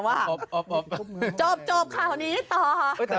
ไม่อย่าเอาทำ